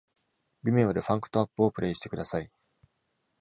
Vimeo で「Funked Up」をプレイしてください